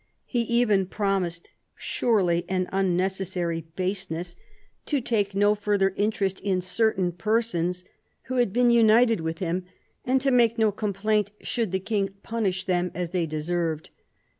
He even promised — surely an unnecessary baseness — to take no 230 CARDINAL DE RICHELIEU further interest in certain persons who had been united with him, and to make no complaint should the King punish them as they deserved.